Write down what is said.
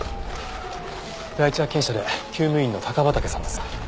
第一発見者で厩務員の高畠さんです。